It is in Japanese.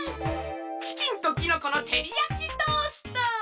チキンときのこのてりやきトースト！